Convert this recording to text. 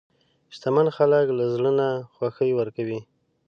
شتمن خلک له زړه نه خوښي ورکوي.